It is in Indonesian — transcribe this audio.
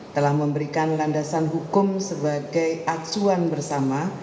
telah memberikan landasan hukum sebagai acuan bersama